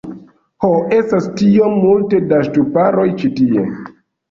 Ho, estas tiom multe da ŝtuparoj ĉi tie